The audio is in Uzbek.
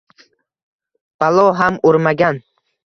Balo ham urmagan…